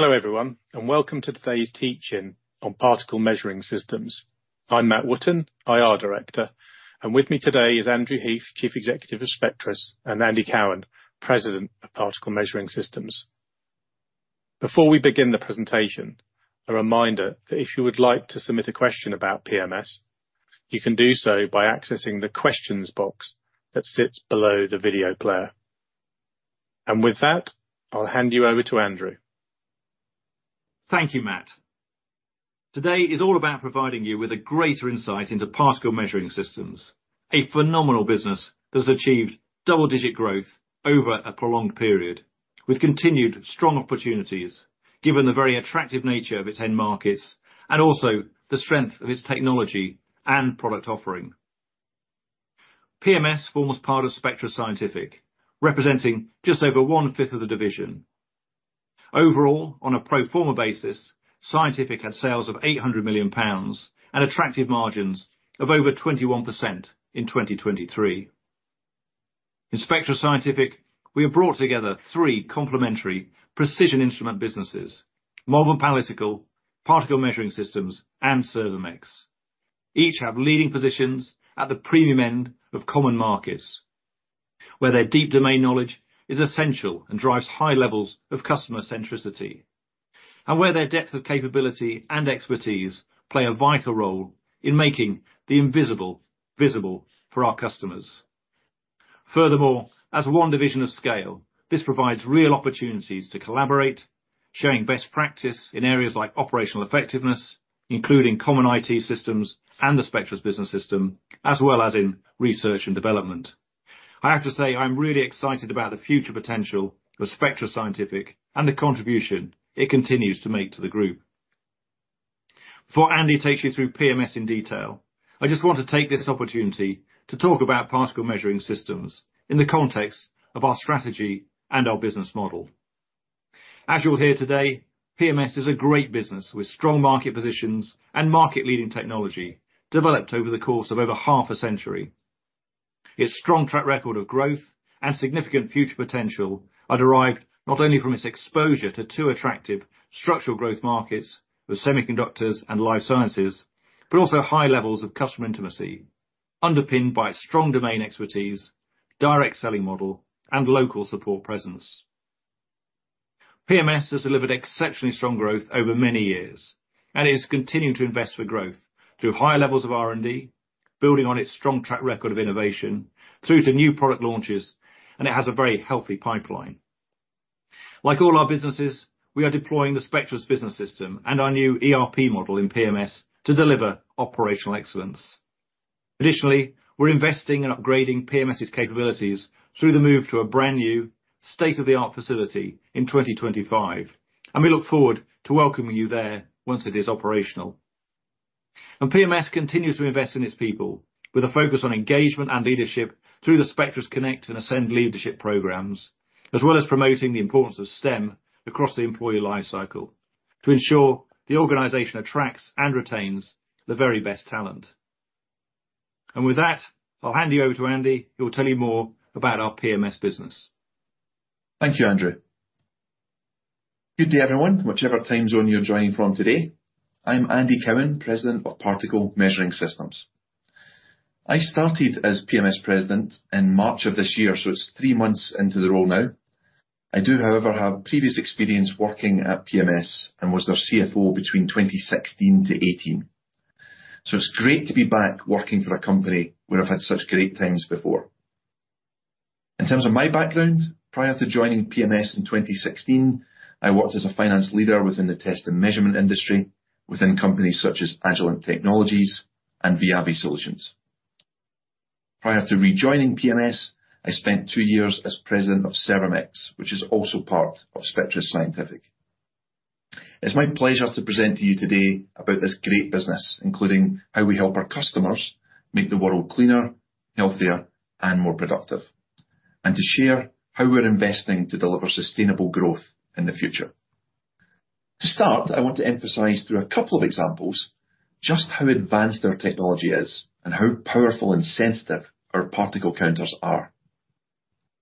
Hello, everyone, and welcome to today's teach-in on Particle Measuring Systems. I'm Matt Wootton, IR Director, and with me today is Andrew Heath, Chief Executive of Spectris, and Andy Cowan, President of Particle Measuring Systems. Before we begin the presentation, a reminder that if you would like to submit a question about PMS, you can do so by accessing the Questions box that sits below the video player. With that, I'll hand you over to Andrew. Thank you, Matt. Today is all about providing you with a greater insight into Particle Measuring Systems, a phenomenal business that's achieved double-digit growth over a prolonged period, with continued strong opportunities, given the very attractive nature of its end markets, and also the strength of its technology and product offering. PMS forms part of Spectris Scientific, representing just over one-fifth of the division. Overall, on a pro forma basis, Scientific had sales of 800 million pounds and attractive margins of over 21% in 2023. In Spectris Scientific, we have brought together three complementary precision instrument businesses: Malvern Panalytical, Particle Measuring Systems, and Servomex. Each have leading positions at the premium end of common markets, where their deep domain knowledge is essential and drives high levels of customer centricity, and where their depth of capability and expertise play a vital role in making the invisible, visible for our customers. Furthermore, as one division of scale, this provides real opportunities to collaborate, sharing best practice in areas like operational effectiveness, including common IT systems and the Spectris Business System, as well as in research and development. I have to say, I'm really excited about the future potential of Spectris Scientific and the contribution it continues to make to the group. Before Andy takes you through PMS in detail, I just want to take this opportunity to talk about Particle Measuring Systems in the context of our strategy and our business model. As you'll hear today, PMS is a great business with strong market positions and market-leading technology developed over the course of over half a century. Its strong track record of growth and significant future potential are derived not only from its exposure to two attractive structural growth markets, the Semiconductors and life sciences, but also high levels of customer intimacy, underpinned by strong domain expertise, direct selling model, and local support presence. PMS has delivered exceptionally strong growth over many years, and it is continuing to invest for growth through higher levels of R&D, building on its strong track record of innovation through to new product launches, and it has a very healthy pipeline. Like all our businesses, we are deploying the Spectris Business System and our new ERP model in PMS to deliver operational excellence. Additionally, we're investing in upgrading PMS's capabilities through the move to a brand new state-of-the-art facility in 2025, and we look forward to welcoming you there once it is operational. PMS continues to invest in its people, with a focus on engagement and leadership through the Spectris Connect and Ascend leadership programs, as well as promoting the importance of STEM across the employee lifecycle, to ensure the organization attracts and retains the very best talent. With that, I'll hand you over to Andy, who will tell you more about our PMS business. Thank you, Andrew. Good day, everyone, whichever time zone you're joining from today. I'm Andy Cowan, President of Particle Measuring Systems. I started as PMS President in March of this year, so it's three months into the role now. I do, however, have previous experience working at PMS and was their CFO between 2016 to 2018. So it's great to be back working for a company where I've had such great times before. In terms of my background, prior to joining PMS in 2016, I worked as a finance leader within the test and measurement industry within companies such as Agilent Technologies and Viavi Solutions. Prior to rejoining PMS, I spent two years as president of Servomex, which is also part of Spectris Scientific. It's my pleasure to present to you today about this great business, including how we help our customers make the world cleaner, healthier, and more productive, and to share how we're investing to deliver sustainable growth in the future. To start, I want to emphasize through a couple of examples, just how advanced our technology is and how powerful and sensitive our particle counters are.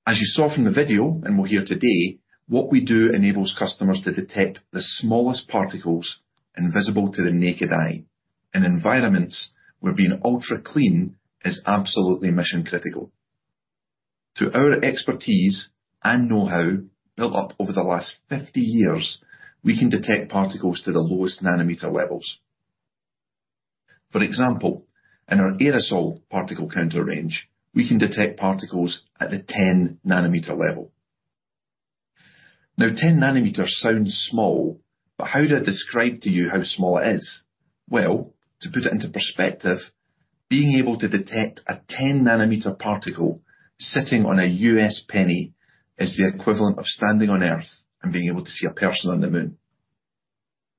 As you saw from the video, and we'll hear today, what we do enables customers to detect the smallest particles invisible to the naked eye, in environments where being ultra-clean is absolutely mission-critical. Through our expertise and know-how, built up over the last 50 years, we can detect particles to the lowest nanometer levels. For example, in our aerosol particle counter range, we can detect particles at the 10nm level. Now, 10nm sounds small, but how do I describe to you how small it is? Well, to put it into perspective, being able to detect a 10-nanometer particle sitting on a U.S. penny is the equivalent of standing on Earth and being able to see a person on the Moon.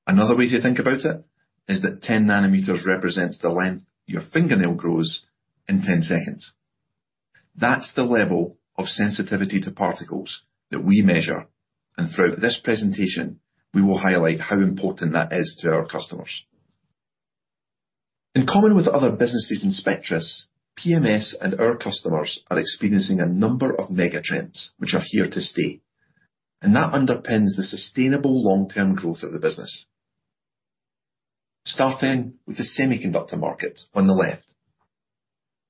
Another way to think about it is that 10nm represents the length your fingernail grows in 10 seconds. That's the level of sensitivity to particles that we measure, and throughout this presentation, we will highlight how important that is to our customers. In common with other businesses in Spectris, PMS and our customers are experiencing a number of mega trends which are here to stay, and that underpins the sustainable long-term growth of the business. Starting with the semiconductor market on the left,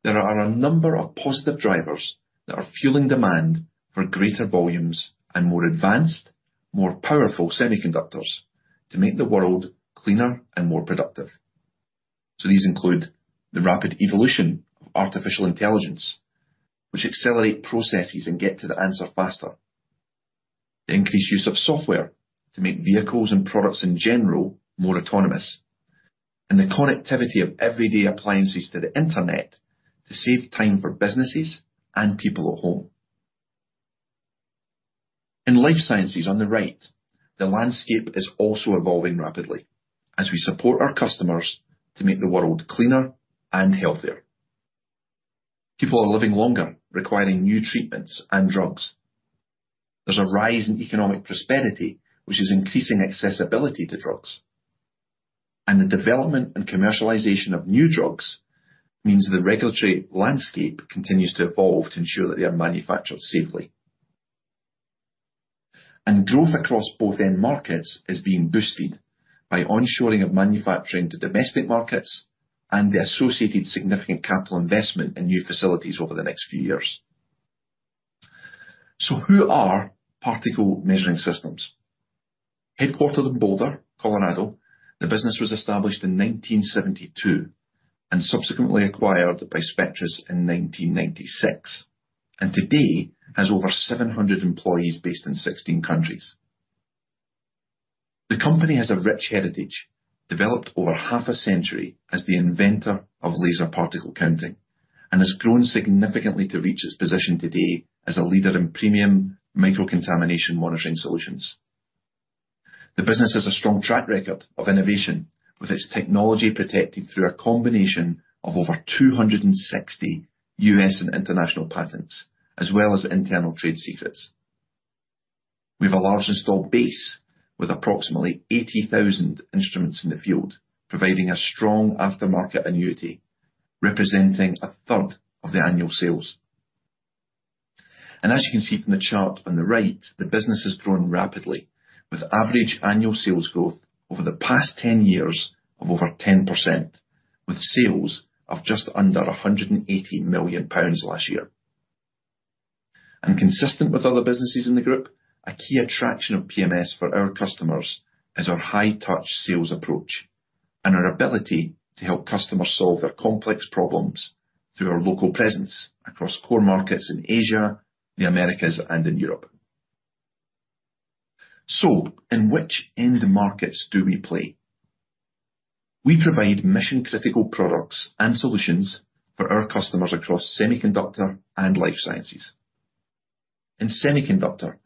there are a number of positive drivers that are fueling demand for greater volumes and more advanced, more powerful semiconductors to make the world cleaner and more productive. So these include the rapid evolution of artificial intelligence, which accelerate processes and get to the answer faster, the increased use of software to make vehicles and products, in general, more autonomous, and the connectivity of everyday appliances to the internet to save time for businesses and people at home. In Life Sciences, on the right, the landscape is also evolving rapidly as we support our customers to make the world cleaner and healthier. People are living longer, requiring new treatments and drugs. There's a rise in economic prosperity, which is increasing accessibility to drugs. The development and commercialization of new drugs means the regulatory landscape continues to evolve to ensure that they are manufactured safely. Growth across both end markets is being boosted by onshoring of manufacturing to domestic markets and the associated significant capital investment in new facilities over the next few years. So who are Particle Measuring Systems? Headquartered in Boulder, Colorado, the business was established in 1972, and subsequently acquired by Spectris in 1996, and today has over 700 employees based in 16 countries. The company has a rich heritage, developed over half a century as the inventor of laser particle counting, and has grown significantly to reach its position today as a leader in premium microcontamination monitoring solutions. The business has a strong track record of innovation with its technology protected through a combination of over 260 U.S. and international patents, as well as internal trade secrets. We have a large installed base with approximately 80,000 instruments in the field, providing a strong aftermarket annuity, representing a third of the annual sales. As you can see from the chart on the right, the business has grown rapidly, with average annual sales growth over the past 10 years of over 10%, with sales of just under 180 million pounds last year. Consistent with other businesses in the group, a key attraction of PMS for our customers is our high touch sales approach and our ability to help customers solve their complex problems through our local presence across core markets in Asia, the Americas, and in Europe. In which end markets do we play? We provide mission-critical products and solutions for our customers across Semiconductor and Life Sciences. In Semiconductor,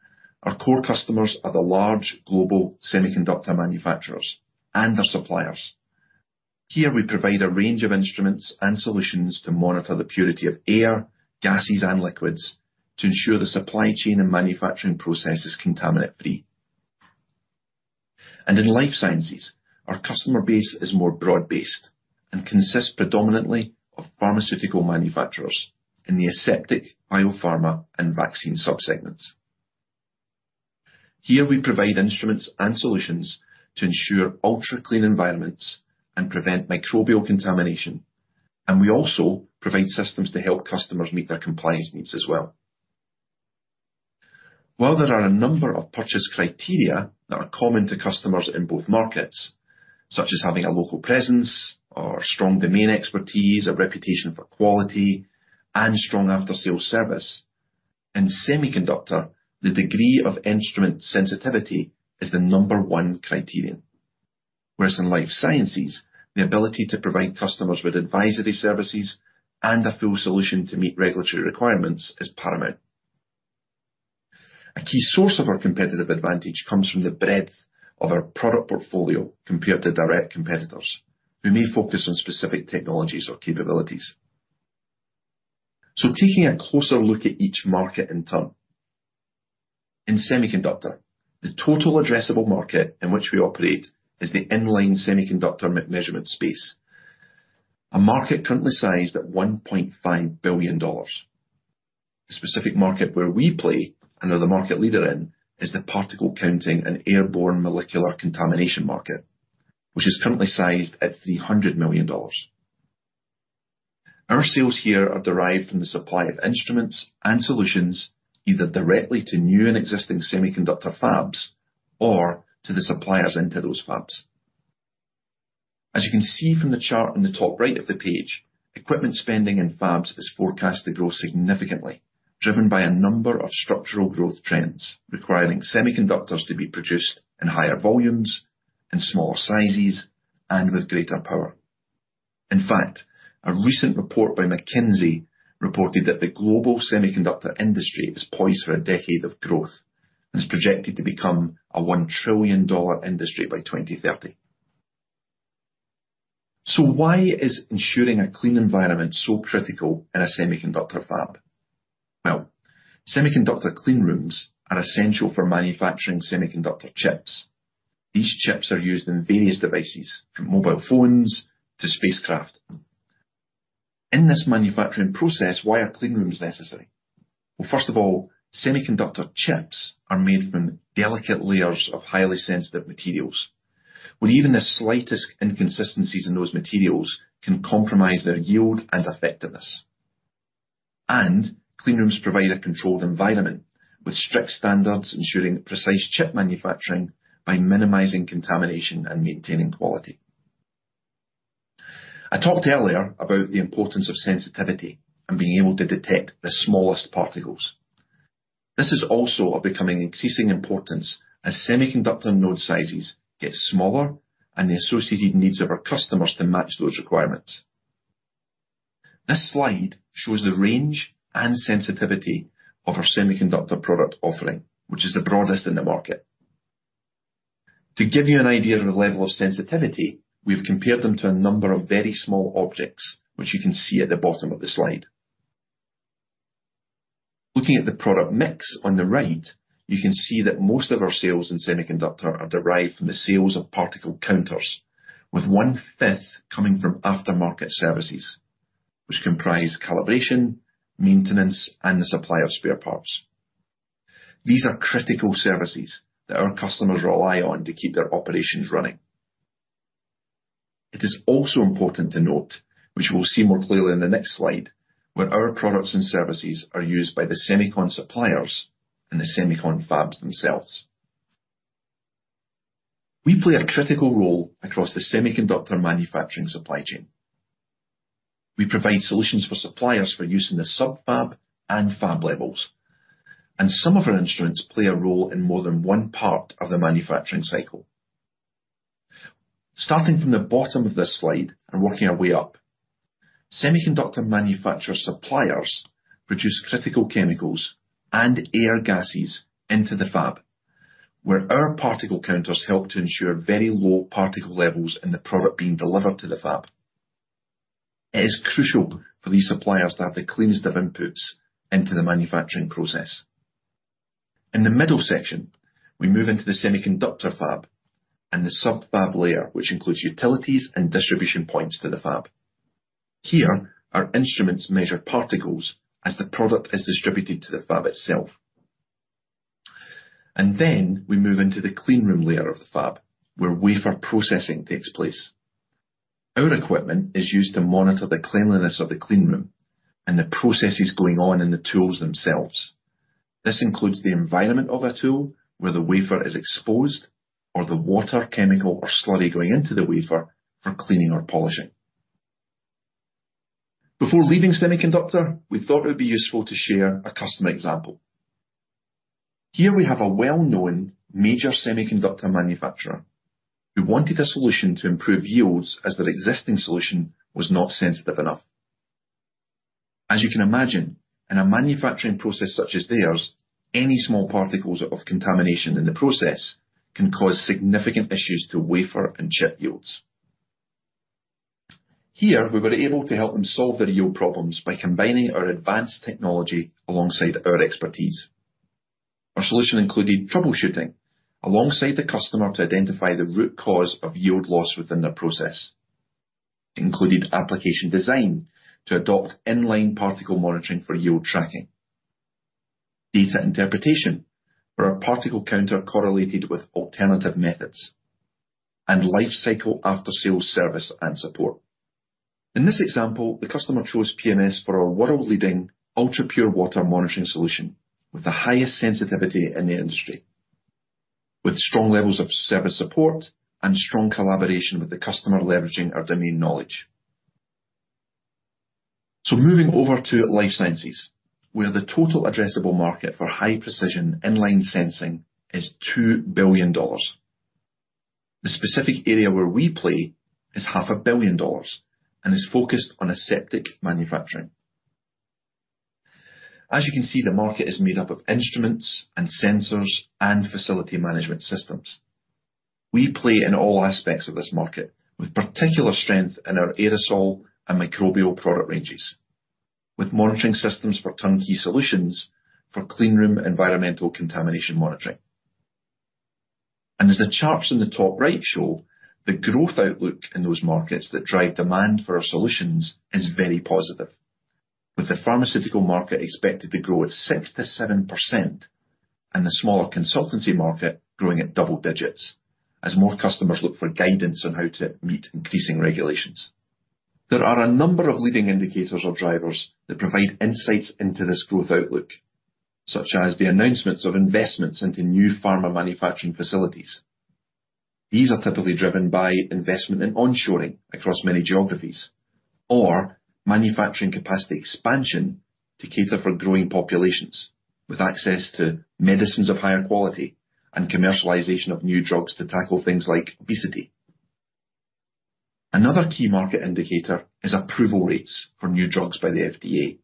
our core customers are the large global Semiconductor manufacturers and their suppliers. Here, we provide a range of instruments and solutions to monitor the purity of air, gases, and liquids to ensure the supply chain and manufacturing process is contaminant-free. And in Life Sciences, our customer base is more broad-based and consists predominantly of pharmaceutical manufacturers in the aseptic, biopharma, and vaccine subsegments. Here, we provide instruments and solutions to ensure ultra-clean environments and prevent microbial contamination, and we also provide systems to help customers meet their compliance needs as well. While there are a number of purchase criteria that are common to customers in both markets, such as having a local presence or strong domain expertise, a reputation for quality, and strong after-sales service, in Semiconductor, the degree of instrument sensitivity is the number one criterion. Whereas in Life Sciences, the ability to provide customers with advisory services and a full solution to meet regulatory requirements is paramount. A key source of our competitive advantage comes from the breadth of our product portfolio compared to direct competitors, who may focus on specific technologies or capabilities. So taking a closer look at each market in turn. In Semiconductor, the total addressable market in which we operate is the inline Semiconductor measurement space, a market currently sized at $1.5 billion. The specific market where we play and are the market leader in, is the particle counting and airborne molecular contamination market, which is currently sized at $300 million. Our sales here are derived from the supply of instruments and solutions, either directly to new and existing Semiconductor fabs or to the suppliers into those fabs. As you can see from the chart in the top right of the page, equipment spending in fabs is forecast to grow significantly, driven by a number of structural growth trends, requiring Semiconductors to be produced in higher volumes, in smaller sizes, and with greater power. In fact, a recent report by McKinsey reported that the global Semiconductor industry is poised for a decade of growth and is projected to become a $1 trillion industry by 2030. So why is ensuring a clean environment so critical in a Semiconductor fab?... Well, Semiconductor clean rooms are essential for manufacturing Semiconductor chips. These chips are used in various devices, from mobile phones to spacecraft. In this manufacturing process, why are clean rooms necessary? Well, first of all, Semiconductor chips are made from delicate layers of highly sensitive materials, where even the slightest inconsistencies in those materials can compromise their yield and effectiveness. Clean rooms provide a controlled environment, with strict standards, ensuring precise chip manufacturing by minimizing contamination and maintaining quality. I talked earlier about the importance of sensitivity and being able to detect the smallest particles. This is also becoming of increasing importance as Semiconductor node sizes get smaller, and the associated needs of our customers to match those requirements. This slide shows the range and sensitivity of our Semiconductor product offering, which is the broadest in the market. To give you an idea of the level of sensitivity, we've compared them to a number of very small objects, which you can see at the bottom of the slide. Looking at the product mix on the right, you can see that most of our sales in Semiconductor are derived from the sales of particle counters, with one-fifth coming from aftermarket services, which comprise calibration, maintenance, and the supply of spare parts. These are critical services that our customers rely on to keep their operations running. It is also important to note, which we'll see more clearly in the next slide, where our products and services are used by the Semicon suppliers and the Semicon fabs themselves. We play a critical role across the Semiconductor manufacturing supply chain. We provide solutions for suppliers for use in the sub-fab and fab levels, and some of our instruments play a role in more than one part of the manufacturing cycle. Starting from the bottom of this slide and working our way up, Semiconductor manufacturer suppliers produce critical chemicals and air gases into the fab, where our particle counters help to ensure very low particle levels in the product being delivered to the fab. It is crucial for these suppliers to have the cleanest of inputs into the manufacturing process. In the middle section, we move into the Semiconductor fab and the sub-fab layer, which includes utilities and distribution points to the fab. Here, our instruments measure particles as the product is distributed to the fab itself. Then we move into the clean room layer of the fab, where wafer processing takes place. Our equipment is used to monitor the cleanliness of the clean room and the processes going on in the tools themselves. This includes the environment of a tool, where the wafer is exposed, or the water, chemical, or slurry going into the wafer for cleaning or polishing. Before leaving Semiconductor, we thought it would be useful to share a customer example. Here we have a well-known major Semiconductor manufacturer who wanted a solution to improve yields, as their existing solution was not sensitive enough. As you can imagine, in a manufacturing process such as theirs, any small particles of contamination in the process can cause significant issues to wafer and chip yields. Here, we were able to help them solve their yield problems by combining our advanced technology alongside our expertise. Our solution included troubleshooting alongside the customer to identify the root cause of yield loss within their process. It included application design to adopt in-line particle monitoring for yield tracking, data interpretation, where our particle counter correlated with alternative methods, and lifecycle after-sales service and support. In this example, the customer chose PMS for our world-leading, ultra-pure water monitoring solution with the highest sensitivity in the industry, with strong levels of service support and strong collaboration with the customer, leveraging our domain knowledge. So moving over to Life Sciences, where the total addressable market for high-precision in-line sensing is $2 billion. The specific area where we play is $500 million and is focused on aseptic manufacturing. As you can see, the market is made up of instruments and sensors and facility management systems. We play in all aspects of this market, with particular strength in our aerosol and microbial product ranges, with monitoring systems for turnkey solutions, for clean room environmental contamination monitoring. As the charts in the top right show, the growth outlook in those markets that drive demand for our solutions is very positive, with the pharmaceutical market expected to grow at 6%-7% and the smaller consultancy market growing at double digits as more customers look for guidance on how to meet increasing regulations. There are a number of leading indicators or drivers that provide insights into this growth outlook, such as the announcements of investments into new pharma manufacturing facilities. These are typically driven by investment in onshoring across many geographies or manufacturing capacity expansion to cater for growing populations with access to medicines of higher quality and commercialization of new drugs to tackle things like obesity. Another key market indicator is approval rates for new drugs by the FDA,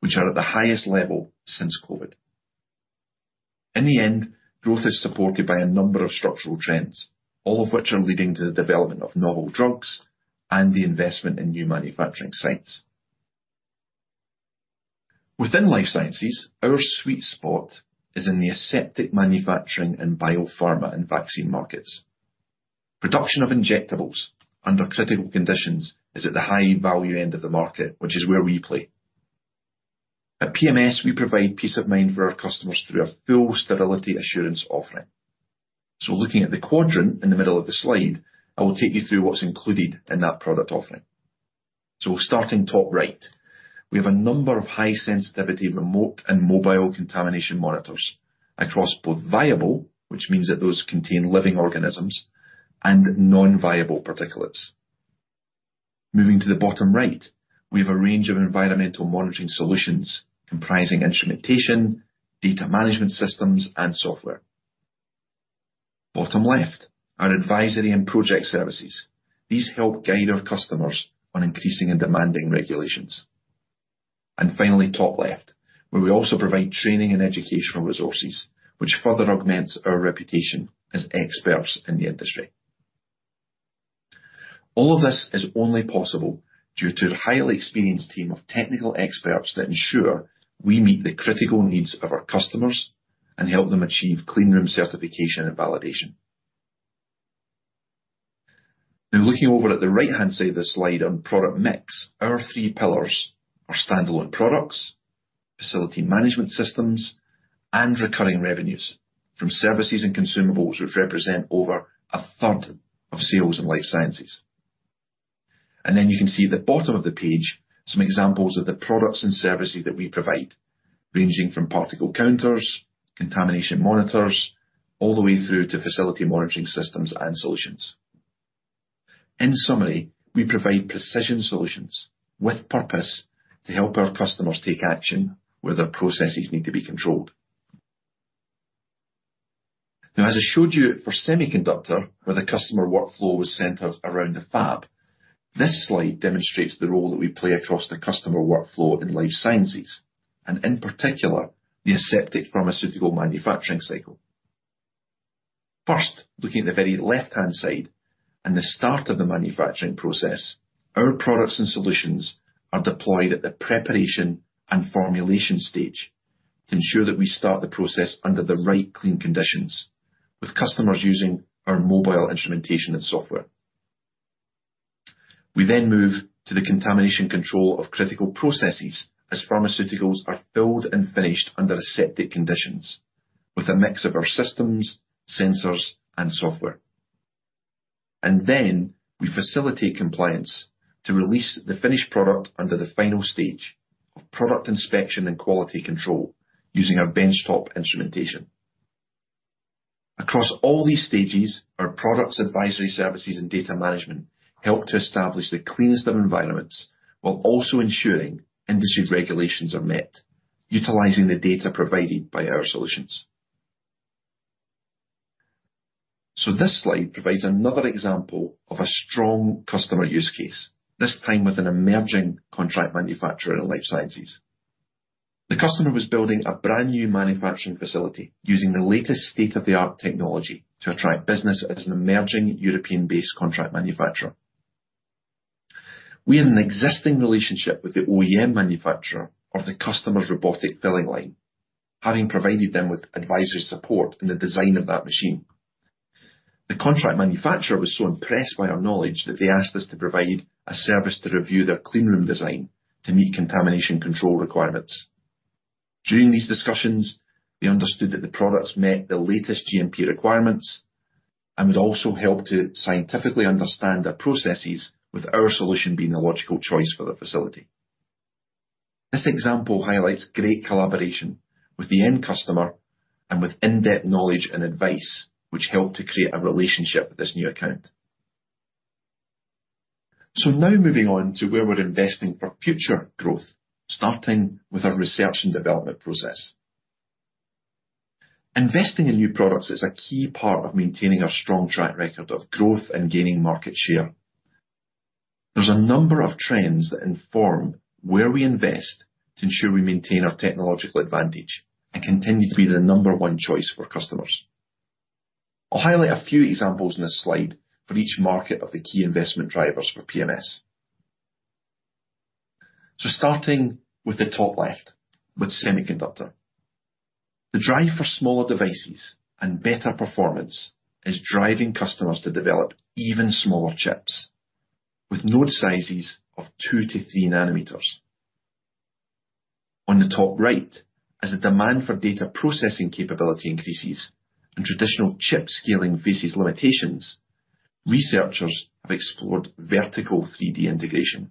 which are at the highest level since COVID. In the end, growth is supported by a number of structural trends, all of which are leading to the development of novel drugs and the investment in new manufacturing sites. Within Life Sciences, our sweet spot is in the aseptic manufacturing and biopharma and vaccine markets. Production of injectables under critical conditions is at the high value end of the market, which is where we play. At PMS, we provide peace of mind for our customers through our full sterility assurance offering. So looking at the quadrant in the middle of the slide, I will take you through what's included in that product offering. Starting top right, we have a number of high sensitivity, remote, and mobile contamination monitors across both viable, which means that those contain living organisms, and non-viable particulates. Moving to the bottom right, we have a range of environmental monitoring solutions comprising instrumentation, data management systems, and software. Bottom left, our advisory and project services. These help guide our customers on increasing and demanding regulations. Finally, top left, where we also provide training and educational resources, which further augments our reputation as experts in the industry. All of this is only possible due to the highly experienced team of technical experts that ensure we meet the critical needs of our customers and help them achieve clean room certification and validation. Now, looking over at the right-hand side of the slide on product mix, our three pillars are standalone products, facility management systems, and recurring revenues from services and consumables, which represent over a third of sales in Life Sciences. Then you can see at the bottom of the page, some examples of the products and services that we provide, ranging from particle counters, contamination monitors, all the way through to facility monitoring systems and solutions. In summary, we provide precision solutions with purpose to help our customers take action where their processes need to be controlled. Now, as I showed you, for Semiconductor, where the customer workflow was centered around the fab, this slide demonstrates the role that we play across the customer workflow in Life Sciences, and in particular, the aseptic pharmaceutical manufacturing cycle. First, looking at the very left-hand side and the start of the manufacturing process, our products and solutions are deployed at the preparation and formulation stage to ensure that we start the process under the right clean conditions, with customers using our mobile instrumentation and software. We then move to the contamination control of critical processes as pharmaceuticals are filled and finished under aseptic conditions, with a mix of our systems, sensors, and software. And then we facilitate compliance to release the finished product under the final stage of product inspection and quality control using our benchtop instrumentation. Across all these stages, our products, advisory services, and data management help to establish the cleanest of environments while also ensuring industry regulations are met, utilizing the data provided by our solutions. So this slide provides another example of a strong customer use case, this time with an emerging contract manufacturer in Life Sciences. The customer was building a brand new manufacturing facility using the latest state-of-the-art technology to attract business as an emerging European-based contract manufacturer. We had an existing relationship with the OEM manufacturer of the customer's robotic filling line, having provided them with advisory support in the design of that machine. The contract manufacturer was so impressed by our knowledge, that they asked us to provide a service to review their clean room design to meet contamination control requirements. During these discussions, they understood that the products met the latest GMP requirements and would also help to scientifically understand their processes, with our solution being the logical choice for their facility. This example highlights great collaboration with the end customer and with in-depth knowledge and advice, which helped to create a relationship with this new account. So now moving on to where we're investing for future growth, starting with our research and development process. Investing in new products is a key part of maintaining our strong track record of growth and gaining market share. There's a number of trends that inform where we invest to ensure we maintain our technological advantage and continue to be the number one choice for customers. I'll highlight a few examples in this slide for each market of the key investment drivers for PMS. So starting with the top left, with Semiconductor. The drive for smaller devices and better performance is driving customers to develop even smaller chips, with node sizes of two to three nanometers. On the top right, as the demand for data processing capability increases and traditional chip scaling faces limitations, researchers have explored vertical 3D integration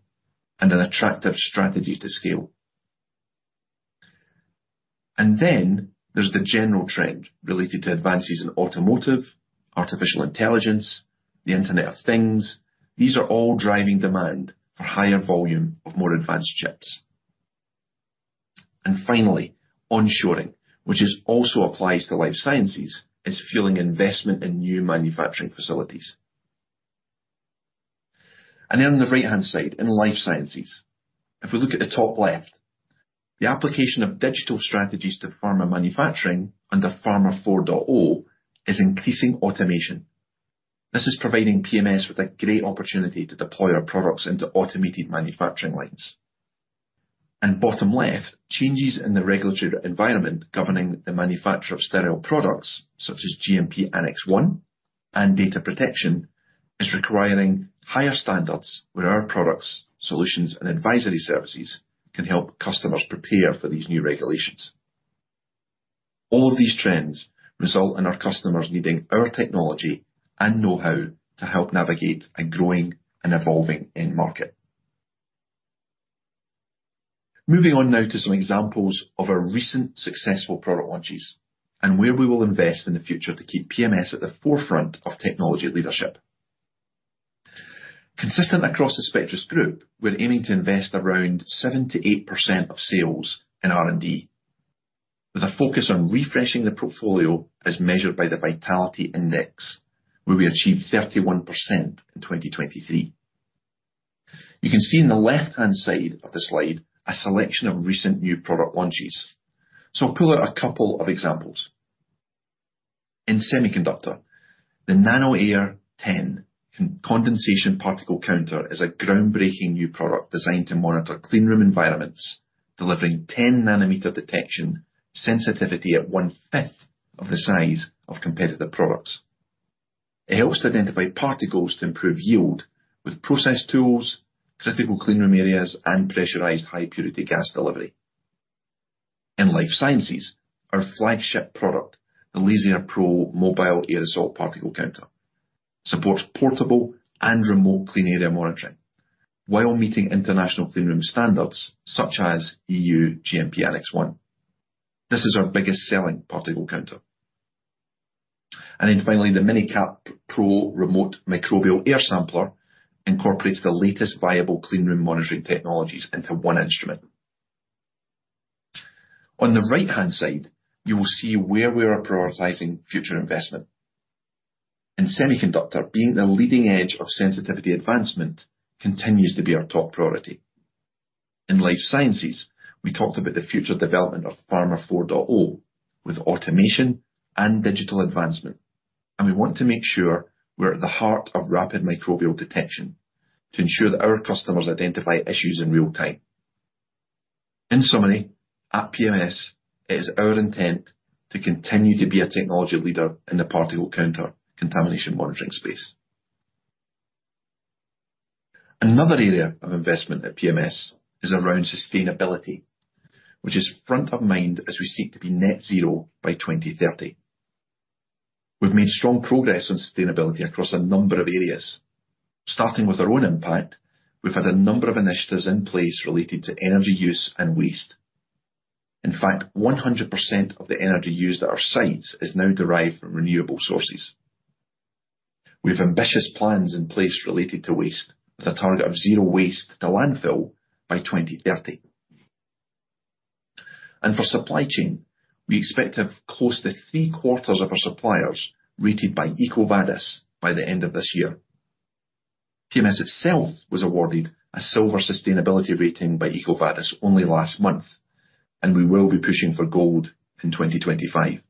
and an attractive strategy to scale. And then there's the general trend related to advances in automotive, artificial intelligence, the Internet of Things. These are all driving demand for higher volume of more advanced chips. And finally, onshoring, which also applies to Life Sciences, is fueling investment in new manufacturing facilities. And then on the right-hand side, in Life Sciences, if we look at the top left, the application of digital strategies to pharma manufacturing under Pharma 4.0 is increasing automation. This is providing PMS with a great opportunity to deploy our products into automated manufacturing lines. And bottom left, changes in the regulatory environment governing the manufacture of sterile products, such as GMP Annex 1 and data protection, is requiring higher standards, where our products, solutions, and advisory services can help customers prepare for these new regulations. All of these trends result in our customers needing our technology and know-how to help navigate a growing and evolving end market. Moving on now to some examples of our recent successful product launches, and where we will invest in the future to keep PMS at the forefront of technology leadership. Consistent across the Spectris group, we're aiming to invest around 70%-80% of sales in R&D, with a focus on refreshing the portfolio as measured by the vitality index, where we achieved 31% in 2023. You can see in the left-hand side of the slide, a selection of recent new product launches. So I'll pull out a couple of examples. In Semiconductor, the NanoAir 10 Condensation Particle Counter is a groundbreaking new product designed to monitor clean room environments, delivering 10 nanometer detection, sensitivity at one-fifth of the size of competitive products. It helps to identify particles to improve yield with process tools, critical clean room areas, and pressurized high purity gas delivery. In Life Sciences, our flagship product, the Lasair Pro Mobile Aerosol Particle Counter, supports portable and remote clean area monitoring while meeting international clean room standards such as EU GMP Annex 1. This is our biggest selling particle counter. And then finally, the MiniCapt Pro Remote Microbial Air Sampler incorporates the latest viable clean room monitoring technologies into one instrument. On the right-hand side, you will see where we are prioritizing future investment. In Semiconductor, being the leading edge of sensitivity advancement continues to be our top priority. In Life Sciences, we talked about the future development of Pharma 4.0, with automation and digital advancement, and we want to make sure we're at the heart of rapid microbial detection to ensure that our customers identify issues in real time. In summary, at PMS, it is our intent to continue to be a technology leader in the particle counter contamination monitoring space. Another area of investment at PMS is around sustainability, which is front of mind as we seek to be net zero by 2030. We've made strong progress on sustainability across a number of areas. Starting with our own impact, we've had a number of initiatives in place related to energy use and waste. In fact, 100% of the energy used at our sites is now derived from renewable sources. We have ambitious plans in place related to waste, with a target of zero waste to landfill by 2030. For supply chain, we expect to have close to 3/4 of our suppliers rated by EcoVadis by the end of this year. PMS itself was awarded a Silver Sustainability rating by EcoVadis only last month, and we will be pushing for Gold in 2025.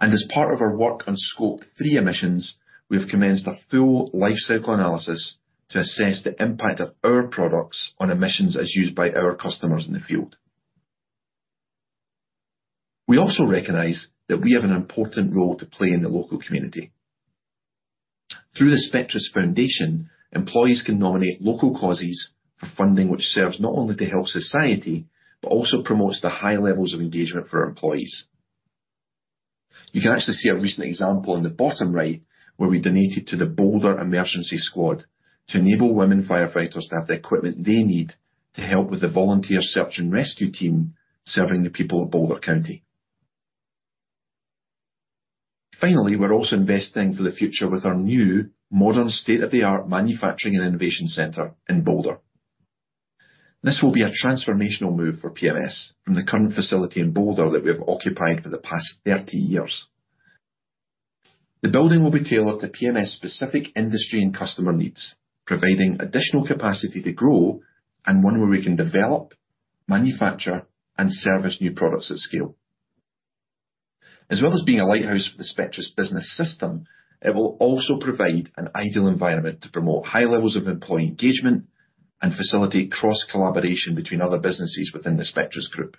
As part of our work on scope three emissions, we have commenced a full life cycle analysis to assess the impact of our products on emissions, as used by our customers in the field. We also recognize that we have an important role to play in the local community. Through the Spectris Foundation, employees can nominate local causes for funding, which serves not only to help society, but also promotes the high levels of engagement for our employees. You can actually see a recent example on the bottom right, where we donated to the Boulder Emergency Squad, to enable women firefighters to have the equipment they need to help with the volunteer search and rescue team, serving the people of Boulder County. Finally, we're also investing for the future with our new modern state-of-the-art manufacturing and innovation center in Boulder. This will be a transformational move for PMS from the current facility in Boulder that we have occupied for the past 30 years. The building will be tailored to PMS' specific industry and customer needs, providing additional capacity to grow, and one where we can develop, manufacture, and service new products at scale. As well as being a lighthouse for the Spectris Business System, it will also provide an ideal environment to promote high levels of employee engagement and facilitate cross-collaboration between other businesses within the Spectris group.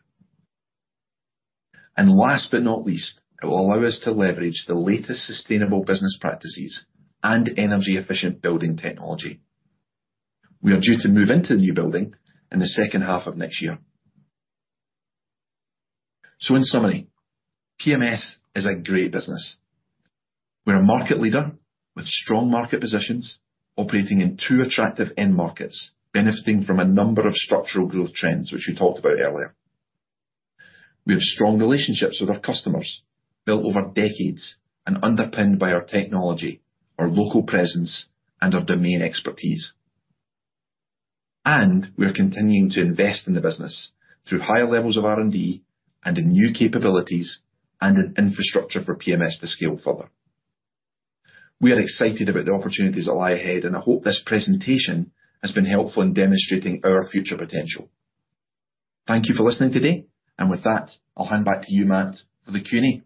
Last but not least, it will allow us to leverage the latest sustainable business practices and energy efficient building technology. We are due to move into the new building in the second half of next year. In summary, PMS is a great business. We're a market leader with strong market positions, operating in two attractive end markets, benefiting from a number of structural growth trends, which we talked about earlier. We have strong relationships with our customers, built over decades and underpinned by our technology, our local presence, and our domain expertise.... and we are continuing to invest in the business through higher levels of R&D, and in new capabilities, and in infrastructure for PMS to scale further. We are excited about the opportunities that lie ahead, and I hope this presentation has been helpful in demonstrating our future potential. Thank you for listening today, and with that, I'll hand back to you, Matt, for the Q&A.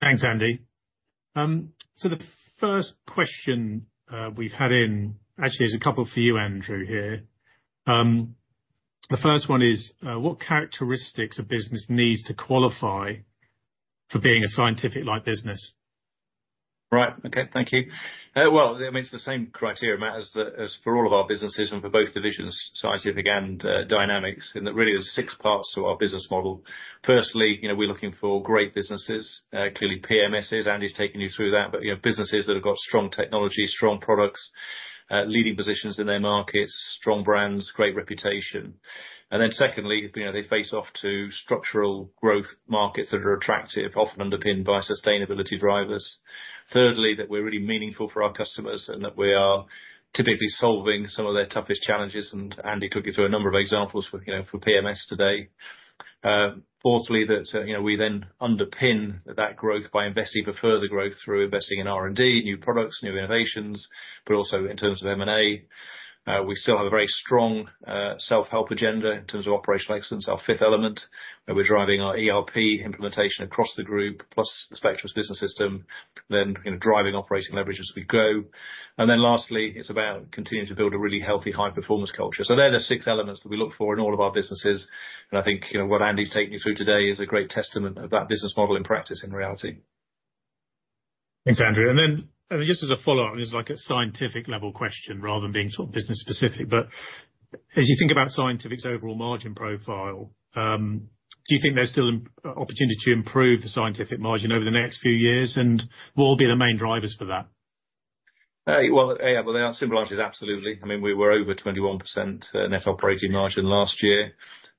Thanks, Andy. So the first question, we've had in, actually, there's a couple for you, Andrew, here. The first one is, what characteristics a business needs to qualify for being a Scientific-like business? Right. Okay, thank you. Well, I mean, it's the same criteria, Matt, as the, as for all of our businesses and for both divisions, Scientific and Dynamics, in that really, there's six parts to our business model. Firstly, you know, we're looking for great businesses. Clearly, PMS is, Andy's taken you through that, but, you know, businesses that have got strong technology, strong products, leading positions in their markets, strong brands, great reputation. And then secondly, you know, they face off to structural growth markets that are attractive, often underpinned by sustainability drivers. Thirdly, that we're really meaningful for our customers, and that we are typically solving some of their toughest challenges, and Andy took you through a number of examples for, you know, for PMS today. Fourthly, that, you know, we then underpin that growth by investing for further growth through investing in R&D, new products, new innovations, but also in terms of M&A. We still have a very strong self-help agenda in terms of operational excellence. Our fifth element, that we're driving our ERP implementation across the group, plus the Spectris Business System, then, you know, driving operating leverage as we grow. And then lastly, it's about continuing to build a really healthy, high-performance culture. So they're the six elements that we look for in all of our businesses, and I think, you know, what Andy's taken you through today is a great testament of that business model in practice and reality. Thanks, Andrew. And then, I mean, just as a follow-on, just like a Scientific level question rather than being sort of business specific, but as you think about Scientific's overall margin profile, do you think there's still an opportunity to improve the Scientific margin over the next few years, and what will be the main drivers for that? Well, yeah, well, the answer is absolutely. I mean, we were over 21% net operating margin last year.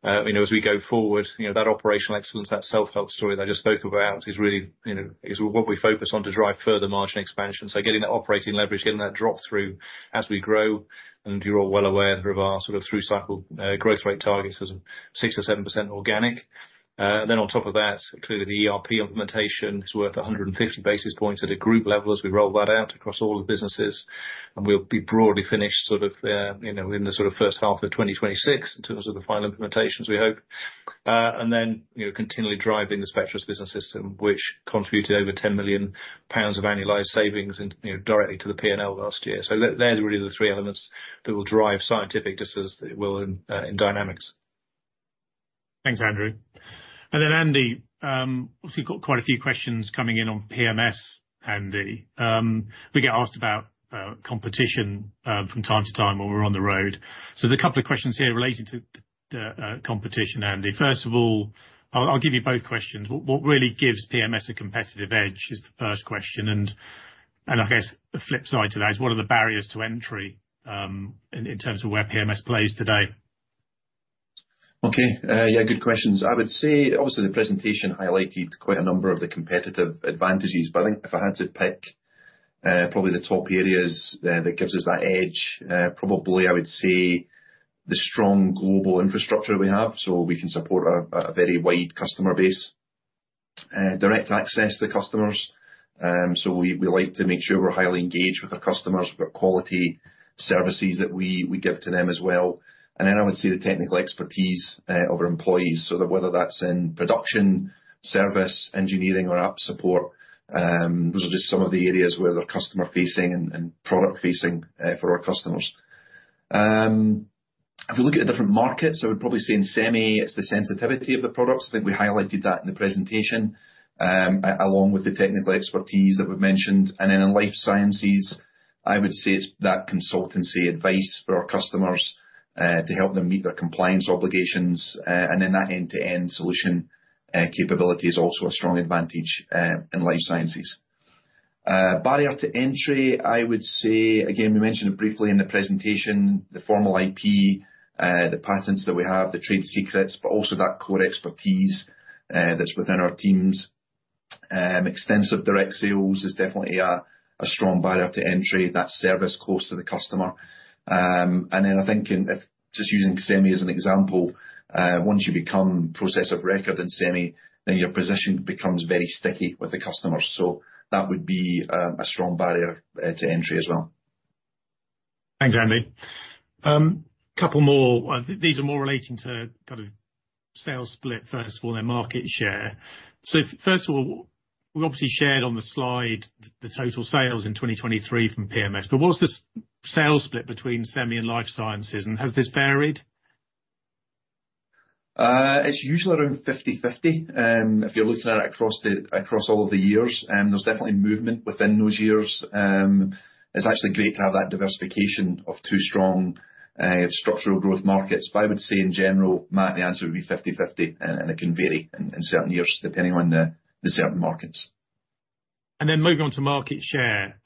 You know, as we go forward, you know, that operational excellence, that self-help story that I just spoke about is really, you know, is what we focus on to drive further margin expansion. So getting that operating leverage, getting that drop through as we grow, and you're all well aware of our sort of through cycle growth rate targets of 6% or 7% organic. Then on top of that, clearly, the ERP implementation is worth 150 basis points at a group level as we roll that out across all the businesses, and we'll be broadly finished sort of, you know, in the sort of first half of 2026 in terms of the final implementations, we hope. And then, you know, continually driving the Spectris Business System, which contributed over 10 million pounds of annualized savings and, you know, directly to the P&L last year. So they're, they're really the three elements that will drive Scientific, just as it will in, in Dynamics. Thanks, Andrew. And then, Andy, we've got quite a few questions coming in on PMS, Andy. We get asked about competition from time to time when we're on the road. So there's a couple of questions here relating to the competition, Andy. First of all, I'll give you both questions. What really gives PMS a competitive edge is the first question, and I guess the flip side to that is, what are the barriers to entry in terms of where PMS plays today? Okay, yeah, good questions. I would say, obviously, the presentation highlighted quite a number of the competitive advantages, but I think if I had to pick, probably the top areas that gives us that edge, probably I would say the strong global infrastructure we have, so we can support a very wide customer base. Direct access to customers, so we like to make sure we're highly engaged with our customers. We've got quality services that we give to them as well. And then I would say the technical expertise of our employees, so that whether that's in production, service, engineering, or app support, those are just some of the areas where they're customer-facing and product-facing for our customers. If we look at the different markets, I would probably say in semi, it's the sensitivity of the products. I think we highlighted that in the presentation, along with the technical expertise that we've mentioned. And then in Life Sciences, I would say it's that consultancy advice for our customers, to help them meet their compliance obligations, and then that end-to-end solution capability is also a strong advantage in Life Sciences. Barrier to entry, I would say, again, we mentioned it briefly in the presentation, the formal IP, the patents that we have, the trade secrets, but also that core expertise that's within our teams. Extensive direct sales is definitely a strong barrier to entry, that service close to the customer. And then I think in...if just using Semi as an example, once you become Process of Record in Semi, then your position becomes very sticky with the customers, so that would be a strong barrier to entry as well. Thanks, Andy. Couple more. These are more relating to kind of sales split, first of all, their market share. So first of all, we obviously shared on the slide the total sales in 2023 from PMS, but what's the sales split between Semi and Life Sciences, and has this varied? It's usually around 50/50, if you're looking at it across the across all of the years, and there's definitely movement within those years. It's actually great to have that diversification of two strong structural growth markets. But I would say in general, Matt, the answer would be 50/50, and it can vary in certain years, depending on the certain markets. And then moving on to market share,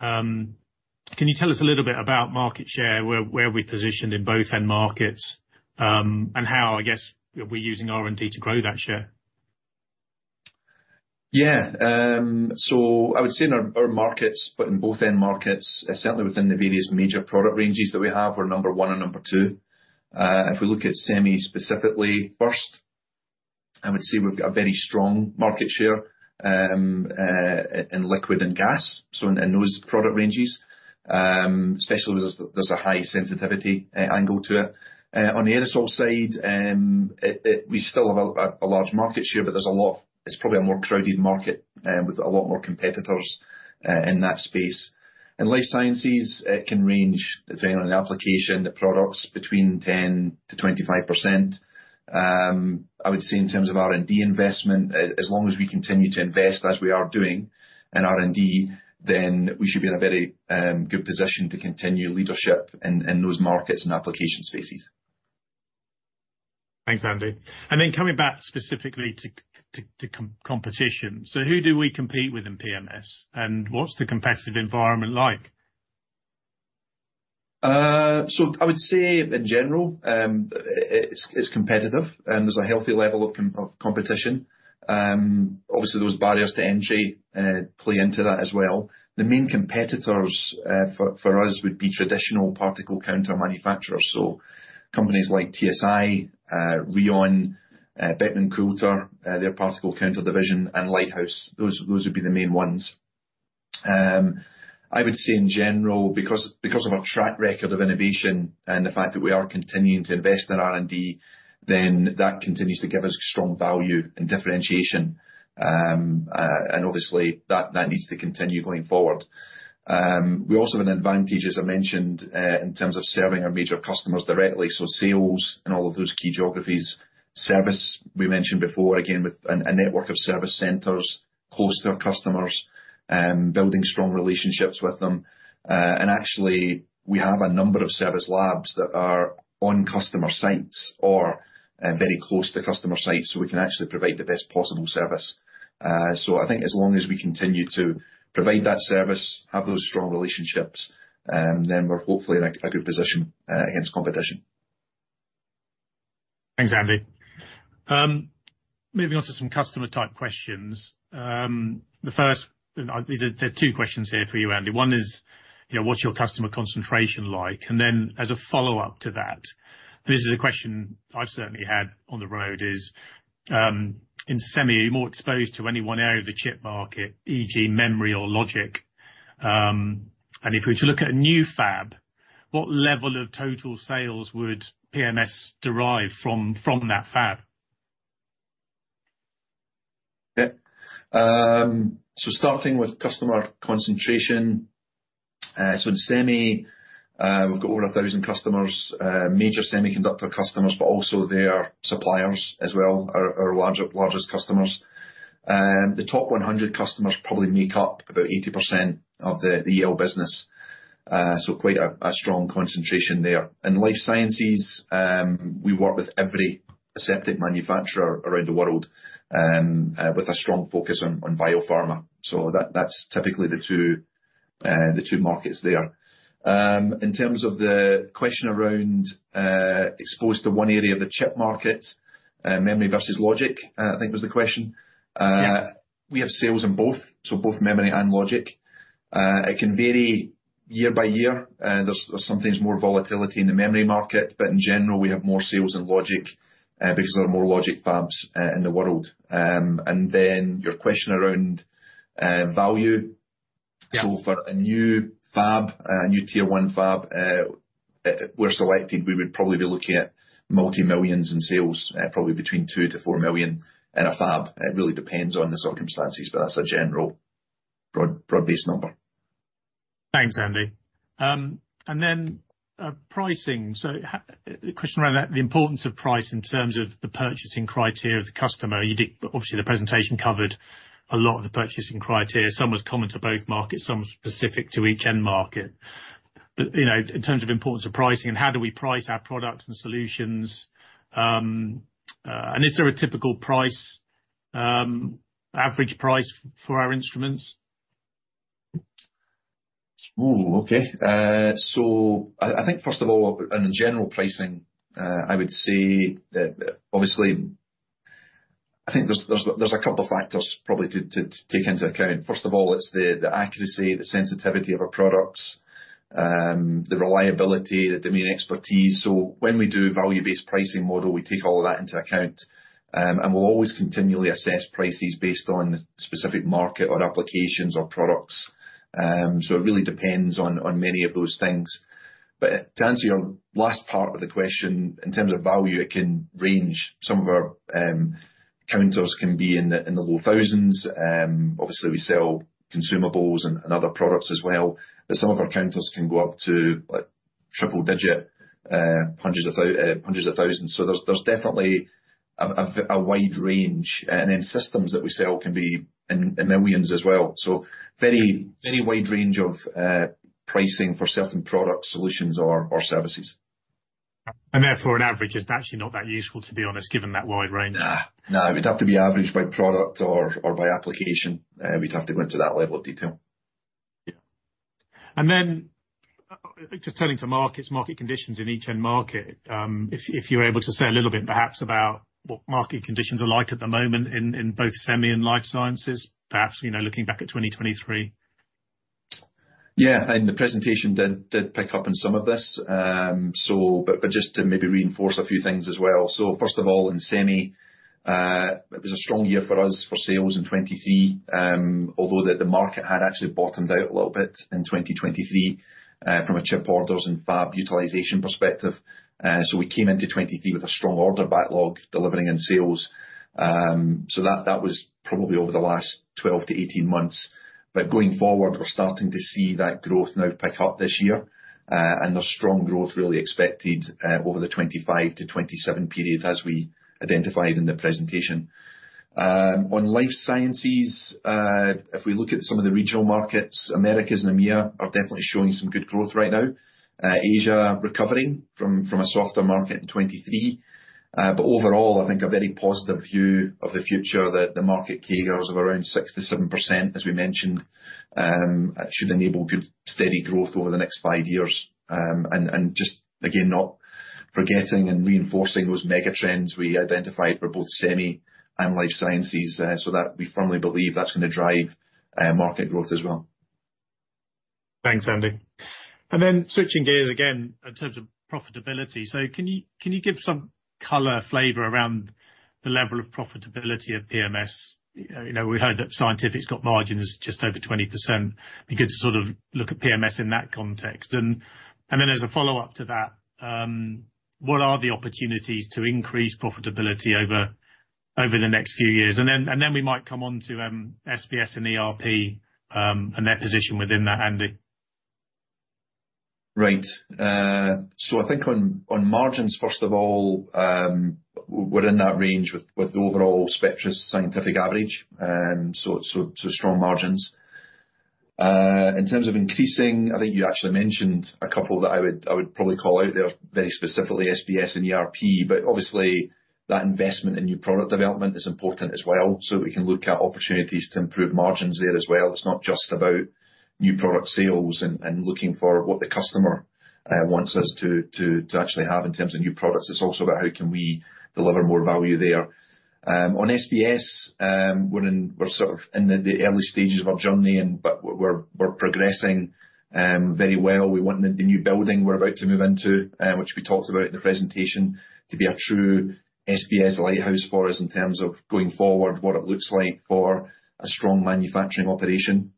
can you tell us a little bit about market share, where, where are we positioned in both end markets, and how, I guess, we're using R&D to grow that share? Yeah. So I would say in our markets, but in both end markets, certainly within the various major product ranges that we have, we're number one and number two. If we look at Semi, specifically, first, I would say we've got a very strong market share in liquid and gas, so in those product ranges, especially as there's a high sensitivity angle to it. On the aerosol side, we still have a large market share, but there's a lot... It's probably a more crowded market with a lot more competitors in that space. In Life Sciences, it can range, depending on the application, the products, between 10%-25%. I would say in terms of R&D investment, as long as we continue to invest, as we are doing in R&D, then we should be in a very good position to continue leadership in those markets and application spaces. Thanks, Andy. And then, coming back specifically to competition, so who do we compete with in PMS, and what's the competitive environment like? So I would say, in general, it's competitive, and there's a healthy level of competition. Obviously, those barriers to entry play into that as well. The main competitors for us would be traditional particle counter manufacturers, so companies like TSI, Rion, Beckman Coulter, their particle counter division, and Lighthouse. Those would be the main ones. I would say, in general, because of our track record of innovation and the fact that we are continuing to invest in R&D, then that continues to give us strong value and differentiation. And obviously, that needs to continue going forward. We also have an advantage, as I mentioned, in terms of serving our major customers directly, so sales in all of those key geographies. Service, we mentioned before, again, with a network of service centers close to our customers, building strong relationships with them. And actually, we have a number of service labs that are on customer sites or very close to customer sites, so we can actually provide the best possible service. So I think as long as we continue to provide that service, have those strong relationships, then we're hopefully in a good position against competition. Thanks, Andy. Moving on to some customer-type questions. The first, there's two questions here for you, Andy. One is, you know, what's your customer concentration like? And then, as a follow-up to that, this is a question I've certainly had on the road, is, in Semi, are you more exposed to any one area of the chip market, e.g., memory or logic? And if we were to look at a new fab, what level of total sales would PMS derive from that fab? Yeah. So starting with customer concentration, so in Semi, we've got over 1,000 customers, major Semiconductor customers, but also their suppliers as well, are largest customers. The top 100 customers probably make up about 80% of the Electronics business, so quite a strong concentration there. In Life Sciences, we work with every aseptic manufacturer around the world, with a strong focus on biopharma, so that's typically the two markets there. In terms of the question around exposed to one area of the chip market, memory versus logic, I think was the question? Yeah. We have sales in both, so both memory and logic. It can vary year by year. There's sometimes more volatility in the memory market, but in general, we have more sales in logic, because there are more logic fabs in the world. And then your question around value- Yeah. So for a new fab, a new Tier 1 fab, we're selecting, we would probably be looking at multi-millions GBP in sales, probably between 2-4 million in a fab. It really depends on the circumstances, but that's a general broad, broad-based number. Thanks, Andy. And then, pricing. So the question around that, the importance of price in terms of the purchasing criteria of the customer, you did... Obviously, the presentation covered a lot of the purchasing criteria. Some was common to both markets, some specific to each end market. But, you know, in terms of importance of pricing, and how do we price our products and solutions, and is there a typical price, average price for our instruments? Okay. So I think, first of all, in general pricing, I would say that obviously. I think there's a couple of factors probably to take into account. First of all, it's the accuracy, the sensitivity of our products, the reliability, the domain expertise. So when we do value-based pricing model, we take all of that into account, and we'll always continually assess prices based on the specific market or applications or products. So it really depends on many of those things. But to answer your last part of the question, in terms of value, it can range. Some of our counters can be in the low thousands. Obviously, we sell consumables and other products as well, but some of our counters can go up to, like, triple digit hundreds of thousands. So there's definitely a wide range. Then systems that we sell can be in millions as well. So very, very wide range of pricing for certain products, solutions, or services. Therefore, an average is actually not that useful, to be honest, given that wide range. Nah. Nah, it would have to be averaged by product or, or by application. We'd have to go into that level of detail. And then, just turning to markets, market conditions in each end market, if you're able to say a little bit perhaps about what market conditions are like at the moment in both Semi and Life Sciences, perhaps, you know, looking back at 2023? Yeah, and the presentation did pick up on some of this. But just to maybe reinforce a few things as well. So first of all, in Semi, it was a strong year for us for sales in 2023, although the market had actually bottomed out a little bit in 2023, from a chip orders and fab utilization perspective. So we came into 2023 with a strong order backlog delivering in sales. So that was probably over the last 12 to 18 months. But going forward, we're starting to see that growth now pick up this year, and there's strong growth really expected, over the 2025 to 2027 period, as we identified in the presentation. On Life Sciences, if we look at some of the regional markets, Americas and EMEA are definitely showing some good growth right now. Asia, recovering from a softer market in 2023. But overall, I think a very positive view of the future, that the market CAGRs of around 6%-7%, as we mentioned, should enable good, steady growth over the next five years. And just again, not forgetting and reinforcing those mega trends we identified for both Semi and Life Sciences, so that we firmly believe that's gonna drive market growth as well. Thanks, Andy. And then switching gears again, in terms of profitability, so can you give some color, flavor around the level of profitability at PMS? You know, we heard that Scientific's got margins just over 20%. Be good to sort of look at PMS in that context. And then as a follow-up to that, what are the opportunities to increase profitability over the next few years? And then we might come on to SBS and ERP, and their position within that, Andy. Right. So I think on margins, first of all, we're in that range with the overall Spectris Scientific average, so strong margins. In terms of increasing, I think you actually mentioned a couple that I would probably call out there, very specifically, SBS and ERP, but obviously, that investment in new product development is important as well. So we can look at opportunities to improve margins there as well. It's not just about new product sales and looking for what the customer wants us to actually have in terms of new products. It's also about how can we deliver more value there. On SBS, we're sort of in the early stages of our journey, but we're progressing very well. We want the new building we're about to move into, which we talked about in the presentation, to be a true SBS lighthouse for us in terms of going forward, what it looks like for a strong manufacturing operation.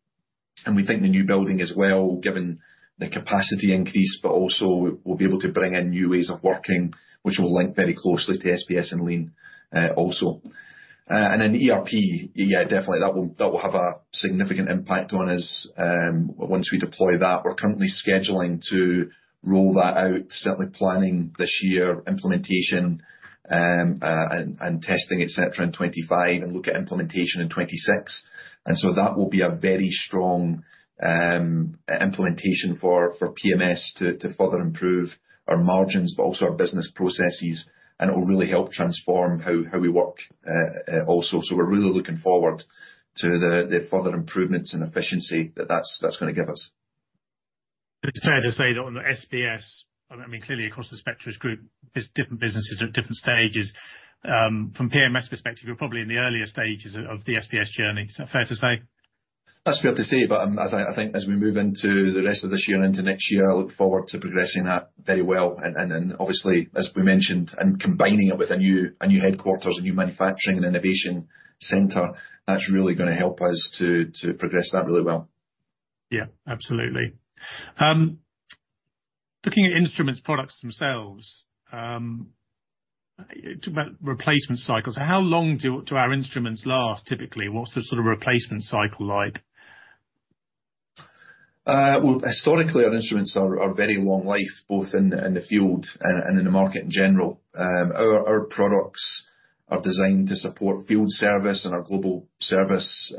And we think the new building as well, given the capacity increase, but also we'll be able to bring in new ways of working, which will link very closely to SBS and Lean, also. And then ERP, yeah, definitely, that will have a significant impact on us, once we deploy that. We're currently scheduling to roll that out, certainly planning this year, implementation, and testing, et cetera, in 2025, and look at implementation in 2026. And so that will be a very strong implementation for PMS to further improve our margins, but also our business processes, and it will really help transform how we work also. So we're really looking forward to the further improvements and efficiency that that's gonna give us. It's fair to say that on the SBS, I mean, clearly across the Spectris group, different businesses are at different stages, from PMS perspective, you're probably in the earlier stages of the SBS journey. Is that fair to say? That's fair to say, but I think as we move into the rest of this year and into next year, I look forward to progressing that very well. And then, obviously, as we mentioned, combining it with a new headquarters, a new manufacturing and innovation center, that's really gonna help us to progress that really well. Yeah, absolutely. Looking at instruments, products themselves, talking about replacement cycles, how long do our instruments last, typically? What's the sort of replacement cycle like? Well, historically, our instruments are very long-life, both in the field and in the market in general. Our products are designed to support field service, and our global service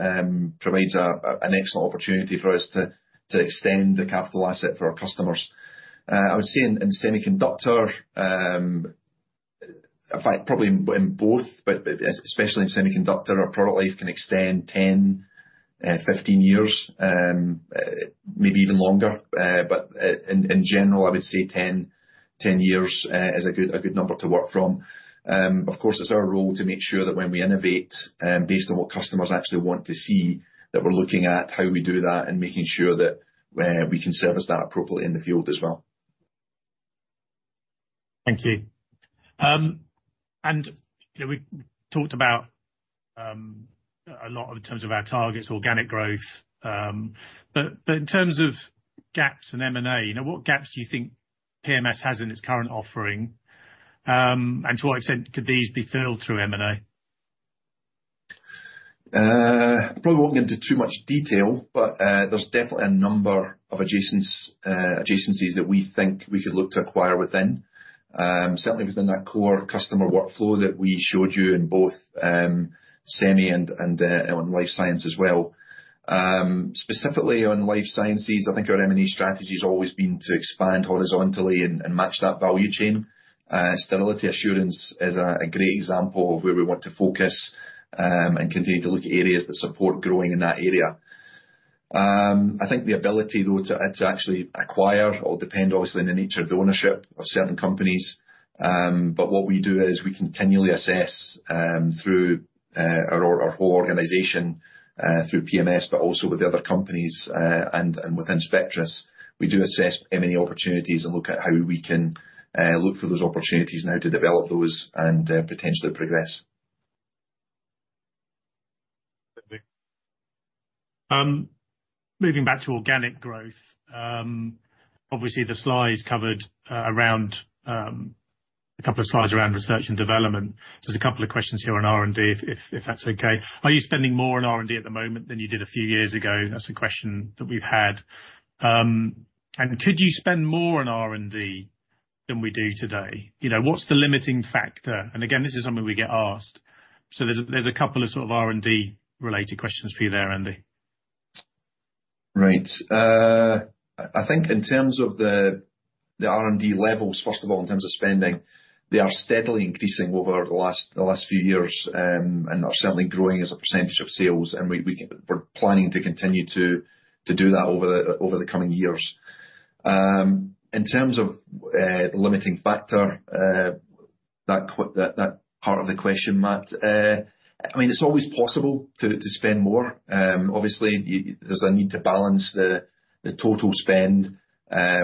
provides an excellent opportunity for us to extend the capital asset for our customers. I would say in Semiconductor, in fact, probably in both, but especially in Semiconductor, our product life can extend 10-15 years, maybe even longer. But in general, I would say 10 years is a good number to work from. Of course, it's our role to make sure that when we innovate, based on what customers actually want to see, that we're looking at how we do that, and making sure that we can service that appropriately in the field as well. Thank you. You know, we talked about a lot in terms of our targets, organic growth, but in terms of gaps and M&A, you know, what gaps do you think PMS has in its current offering, and to what extent could these be filled through M&A? Probably won't get into too much detail, but there's definitely a number of adjacencies that we think we could look to acquire within. Certainly within that core customer workflow that we showed you in both Semi and on life science as well. Specifically on life science, I think our M&A strategy has always been to expand horizontally and match that value chain. Sterility assurance is a great example of where we want to focus and continue to look at areas that support growing in that area. I think the ability, though, to actually acquire or depend, obviously, on the nature of the ownership of certain companies, but what we do is we continually assess through our whole organization, through PMS, but also with the other companies, and within Spectris, we do assess how many opportunities and look at how we can look for those opportunities now to develop those and potentially progress. Moving back to organic growth, obviously, the slides covered around a couple of slides around research and development. There's a couple of questions here on R&D, if that's okay. Are you spending more on R&D at the moment than you did a few years ago? That's a question that we've had. And could you spend more on R&D than we do today? You know, what's the limiting factor? And again, this is something we get asked. So there's a couple of sort of R&D-related questions for you there, Andy. Right. I think in terms of the R&D levels, first of all, in terms of spending, they are steadily increasing over the last few years, and are certainly growing as a percentage of sales, and we're planning to continue to do that over the coming years. In terms of limiting factor, that part of the question, Matt, I mean, it's always possible to spend more. Obviously, there's a need to balance the total spend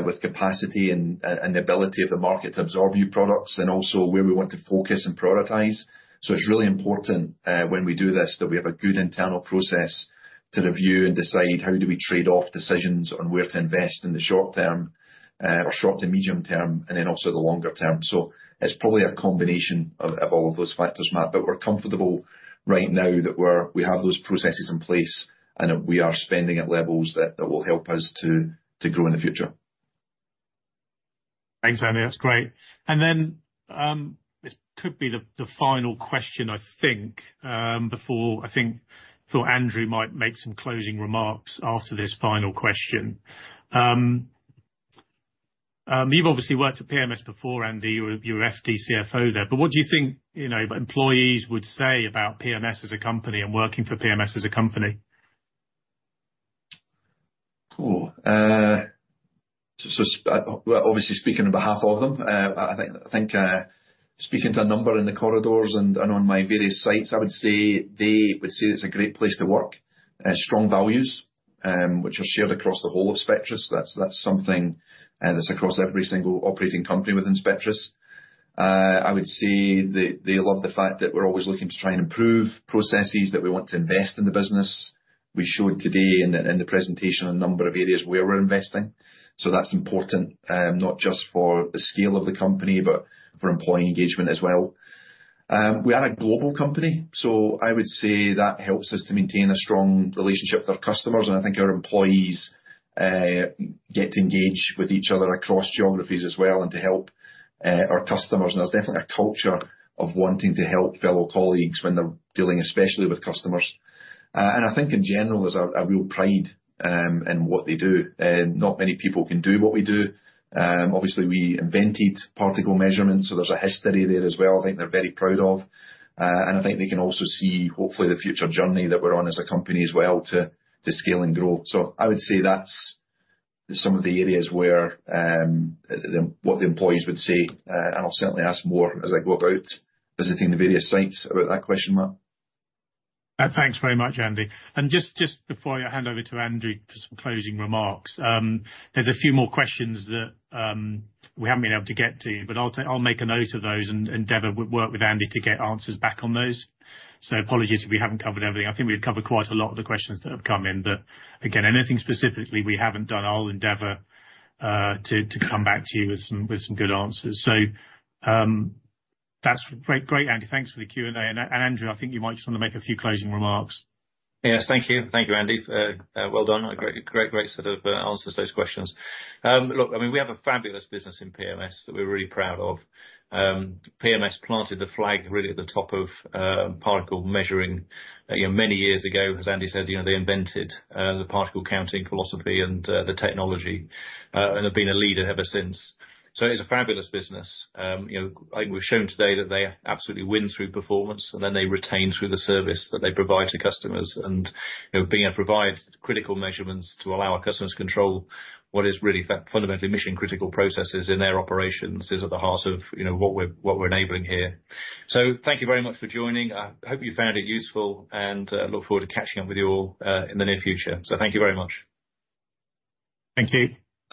with capacity and the ability of the market to absorb new products, and also where we want to focus and prioritize. It's really important when we do this that we have a good internal process to review and decide how we trade off decisions on where to invest in the short term or short to medium term, and then also the longer term. It's probably a combination of all of those factors, Matt. But we're comfortable right now that we have those processes in place, and that we are spending at levels that will help us to grow in the future. Thanks, Andy. That's great. And then, this could be the final question, I think, before I thought Andrew might make some closing remarks after this final question. You've obviously worked at PMS before, Andy. You were FD CFO there, but what do you think, you know, employees would say about PMS as a company and working for PMS as a company? Cool. So, well, obviously speaking on behalf of them, I think, speaking to a number in the corridors and on my various sites, I would say they would say it's a great place to work. Strong values, which are shared across the whole of Spectris. That's something, that's across every single operating company within Spectris. I would say they love the fact that we're always looking to try and improve processes, that we want to invest in the business. We showed today in the presentation a number of areas where we're investing, so that's important, not just for the scale of the company, but for employee engagement as well. We are a global company, so I would say that helps us to maintain a strong relationship with our customers, and I think our employees get to engage with each other across geographies as well, and to help our customers. There's definitely a culture of wanting to help fellow colleagues when they're dealing, especially with customers. I think in general, there's a real pride in what they do. Not many people can do what we do. Obviously, we invented particle measurement, so there's a history there as well, I think they're very proud of. I think they can also see, hopefully, the future journey that we're on as a company as well, to scale and grow. So I would say that's some of the areas where what the employees would say, and I'll certainly ask more as I go about visiting the various sites about that question, Matt. Thanks very much, Andy. And just, just before I hand over to Andrew for some closing remarks, there's a few more questions that we haven't been able to get to, but I'll make a note of those and work with Andy to get answers back on those. So apologies if we haven't covered everything. I think we've covered quite a lot of the questions that have come in, but again, anything specifically we haven't done, I'll endeavor to come back to you with some good answers. So that's great, great, Andy. Thanks for the Q&A. And Andrew, I think you might just want to make a few closing remarks. Yes, thank you. Thank you, Andy. Well done. A great, great, great set of answers to those questions. Look, I mean, we have a fabulous business in PMS that we're really proud of. PMS planted the flag really at the top of particle measuring, you know, many years ago. As Andy said, you know, they invented the particle counting philosophy and the technology and have been a leader ever since. So it is a fabulous business. You know, we've shown today that they absolutely win through performance, and then they retain through the service that they provide to customers. And, you know, being able to provide critical measurements to allow our customers control what is really fundamentally mission-critical processes in their operations is at the heart of, you know, what we're enabling here. Thank you very much for joining. I hope you found it useful, and look forward to catching up with you all in the near future. Thank you very much. Thank you.